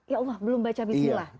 ya allah belum baca bismillah